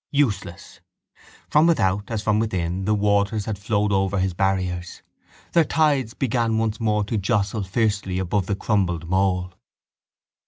Useless. From without as from within the water had flowed over his barriers: their tides began once more to jostle fiercely above the crumbled mole.